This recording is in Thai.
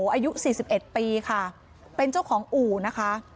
อายุสี่สิบเอ็ดปีค่ะเป็นเจ้าของอู๋นะคะ